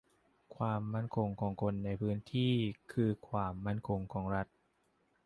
ความมั่นคงของคนในพื้นที่คือความมั่นคงของรัฐ